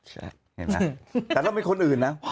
เห็นมั้ยแต่ถ้าเป็นคนอื่นนะ